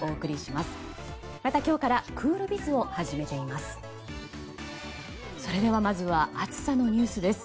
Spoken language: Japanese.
また今日からクールビズを始めています。